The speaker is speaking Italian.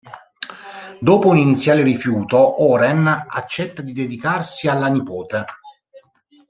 Dopo un iniziale rifiuto, Oren accetta di dedicarsi alla nipote.